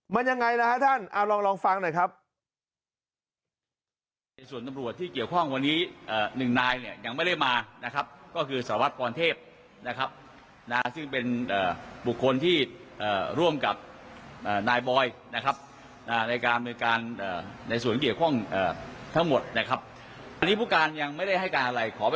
มันยังไงนะครับท่านลองลองฟังหน่อยครับ